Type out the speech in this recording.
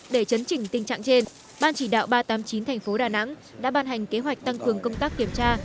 để chấn chỉnh tình trạng trên ban chỉ đạo ba trăm tám mươi chín tp đà nẵng đã ban hành kế hoạch tăng cường công tác kiểm tra